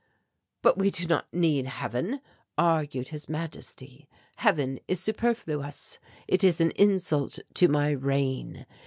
"'But we do not need Heaven,' argued His Majesty, 'Heaven is superfluous. It is an insult to my reign.